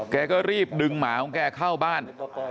แกก็รีบดึงหมาของแกเข้าบ้าน